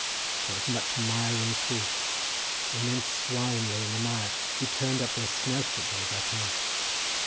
There was much mire in the street; immense swine lay in the mire, who turned up their snouts at me as I passed.